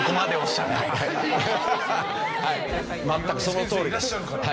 全くそのとおりです。